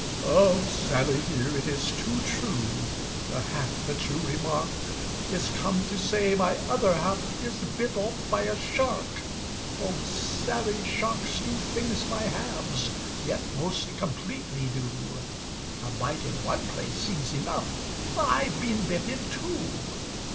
"Oh! Sally dear, it is too true, The half that you remark Is come to say my other half Is bit off by a shark! "Oh! Sally, sharks do things by halves, Yet most completely do! A bite in one place soems enough, But I've been bit in two.